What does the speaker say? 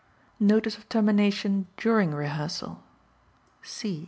Notice of Termination During Rehearsal C.